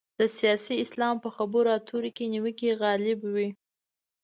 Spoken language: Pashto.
د سیاسي اسلام په خبرو اترو کې نیوکې غالب وي.